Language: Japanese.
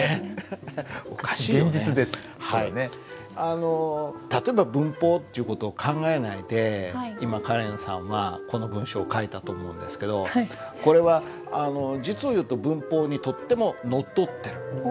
あの例えば文法っていう事を考えないで今カレンさんはこの文章を書いたと思うんですけどこれは実を言うと文法にとってものっとってる。